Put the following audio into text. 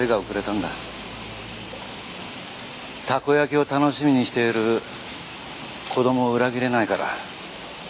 たこ焼きを楽しみにしている子供を裏切れないから。